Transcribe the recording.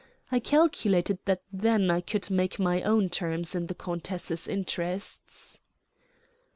I calculated that then I could make my own terms in the countess's interests."